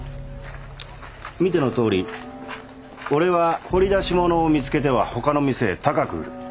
見てのとおり俺は掘り出し物を見つけては他の店へ高く売る。